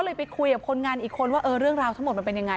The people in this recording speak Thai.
ไปคุยกับคนงานอีกคนว่าเออเรื่องราวทั้งหมดมันเป็นยังไง